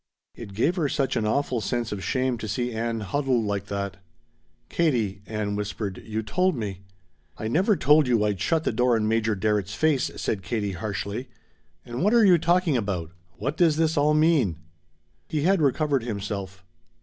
It gave her such an awful sense of shame to see Ann huddled like that. "Katie," Ann whispered, "you told me " "I never told you I'd shut the door in Major Darrett's face!" said Katie harshly. "And what are you talking about? What does this all mean?" He had recovered himself.